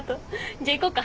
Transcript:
じゃあ行こうか。